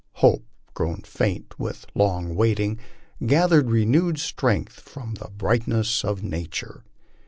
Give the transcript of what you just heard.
Hope, grown faint with long waiting, gathered renewed strength from the brightness of nature.